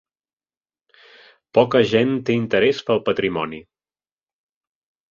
Poca gent té interès pel patrimoni.